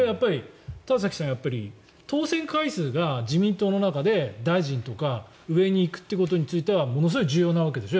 田崎さん、やっぱり当選回数が自民党の中で大臣とか上に行くということについてはものすごい重要なわけでしょ。